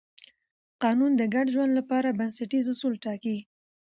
قانون د ګډ ژوند لپاره بنسټیز اصول ټاکي.